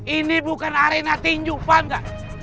ini bukan arena tinju paham gak